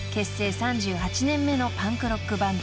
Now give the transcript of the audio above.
３８年目のパンクロックバンド］